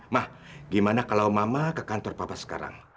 mah gimana kalau mama ke kantor papa sekarang